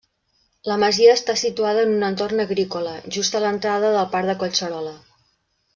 La masia està situada en un entorn agrícola, just a l'entrada del Parc de Collserola.